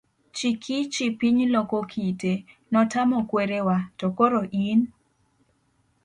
Chikichi piny loko kite ,notamo kwerewa, to koro in?